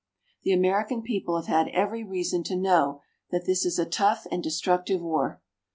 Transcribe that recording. The American people have had every reason to know that this is a tough and destructive war.